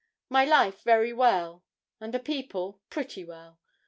'My life, very well; and the people, pretty well.